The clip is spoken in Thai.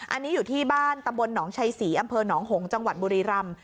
อันนี้อยู่ที่บ้านตำบลหนองชัยศรีอำเภอหนองหงษ์จังหวัดบุรีรำ